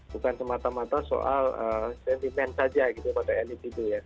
bukan semata mata soal sentimen saja gitu pada elit itu ya